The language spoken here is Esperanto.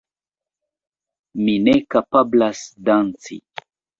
Mi ne kapablas danci.